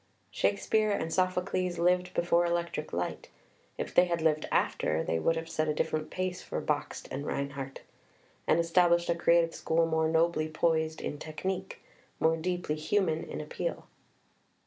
Shakespeare and Sophocles lived before electric light; if they had lived after, they would have set a different pace for Bakst and Reinhardt, and established a creative school more nobly poised in technique, more deeply human in appeal.